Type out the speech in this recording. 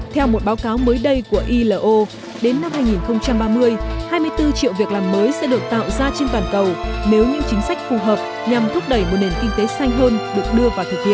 theo một báo cáo mới đây của ilo đến năm hai nghìn ba mươi hai mươi bốn triệu việc làm mới sẽ được tạo ra trên toàn cầu nếu những chính sách phù hợp nhằm thúc đẩy một nền kinh tế xanh hơn được đưa vào thực hiện